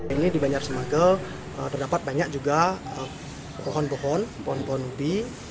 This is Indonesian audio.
ini di banyar semangka terdapat banyak juga pohon pohon pohon pohon bi